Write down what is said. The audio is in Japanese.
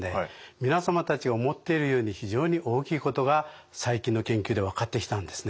皆様たちが思っているより非常に大きいことが最近の研究で分かってきたんですね。